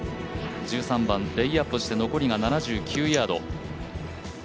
１３番、レイアップして残りが７９ヤード。